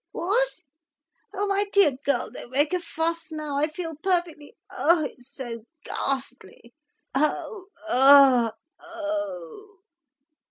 What? Oh, my dear girl, don't make a fuss now, I feel perfectly—Oh, it's so ghastly—Ho!—er! Oh!"